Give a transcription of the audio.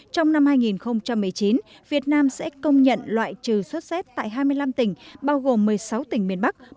trong năm hai nghìn một mươi chín việt nam sẽ công nhận loại trừ sot z tại hai mươi năm tỉnh bao gồm một mươi sáu tỉnh miền bắc